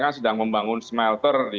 kan sedang membangun smelter